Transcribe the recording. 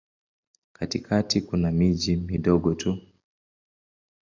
Katikati kuna miji midogo tu.